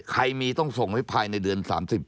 ใครมีต้องส่งไว้ภายในเดือน๓๐